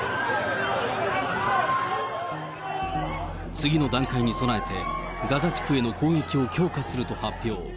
次の段階に備えて、ガザ地区への攻撃を強化すると発表。